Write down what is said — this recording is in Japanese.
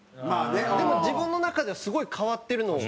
でも自分の中ではすごい変わってるのを。